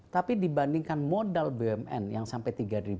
tapi dibandingkan modal bumn yang sampai tiga dua ratus